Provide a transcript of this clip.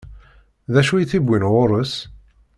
D acu i t-iwwin ɣur-s?